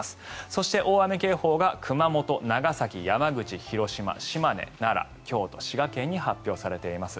そして、大雨警報が熊本、長崎、山口、広島、島根奈良、京都、滋賀県に発表されています。